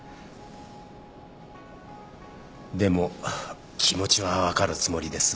でも気持ちは分かるつもりです。